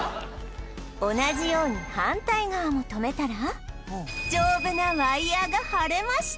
同じように反対側も留めたら丈夫なワイヤーが張れました